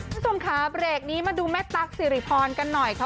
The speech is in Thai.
พี่ทุ่มครับเลขนี้มาดูแม่ตั๊กสิริพรกันหน่อยค่ะ